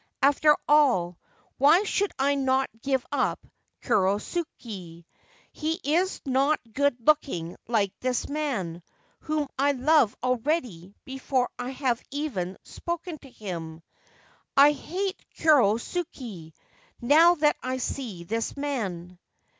' After all, why should I not give up Kurosuke ? He is not good looking like this man, whom I love already before I have even spoken to him. I hate Kurosuke, now that I see this man.'